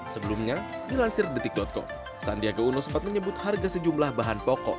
sebelumnya dilansir detik com sandiaga uno sempat menyebut harga sejumlah bahan pokok